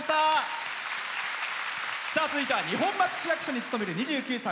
続いては二本松市役所に勤める２９歳。